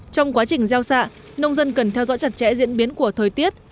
trong quá trình gieo xạ nông dân cần theo dõi chặt chẽ diễn biến của thời tiết